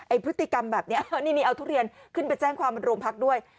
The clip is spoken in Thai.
พฤติกรรมแบบนี้นี่เอาทุเรียนขึ้นไปแจ้งความบนโรงพักด้วย